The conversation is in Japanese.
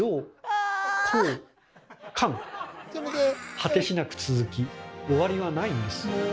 果てしなく続き終わりはないんです。